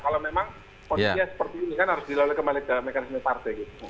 kalau memang kondisinya seperti ini kan harus dilalui kembali ke mekanisme partai gitu